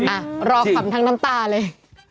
อ่ะรอขำทั้งน้ำตาเลย